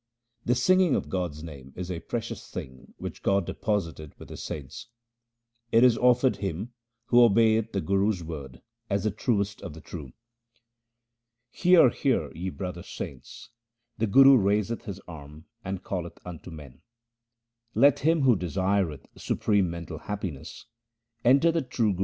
The singing of God's name is a precious thing which God deposited with His saints. It is offered him who obeyeth the Guru's word as the truest of the true. Hear, hear, ye brother saints ; the Guru raiseth his arm and calleth unto men. Let him who desireth supreme mental happiness, enter the true Guru's protection.